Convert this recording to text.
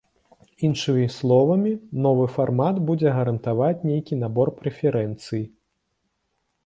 Іншымі словамі, новы фармат будзе гарантаваць нейкі набор прэферэнцый.